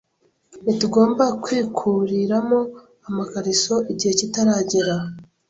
Ntitugomba kwikuriramo amakariso igihe kitaragera